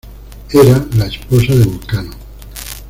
Era la esposa de Vulcano.